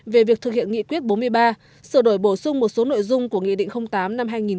về việc thực hiện nghị quyết bốn mươi ba sửa đổi bổ sung một số nội dung của nghị định tám năm hai nghìn một mươi